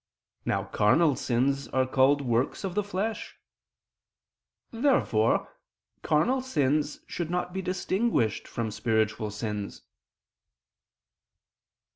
Now carnal sins are called works of the flesh. Therefore carnal sins should not be distinguished from spiritual sins.